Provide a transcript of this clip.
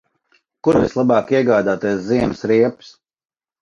Kur vislabāk iegādāties ziemas riepas?